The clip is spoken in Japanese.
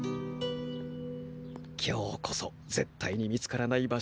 今日こそ絶対に見つからない場所に。